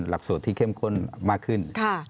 หลักสูตรที่เข้มข้นมากขึ้น